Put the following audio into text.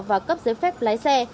và cấp giấy phép lái xe